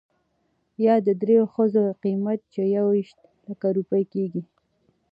يا د درېو ښځو قيمت، چې يويشت لکه روپۍ کېږي .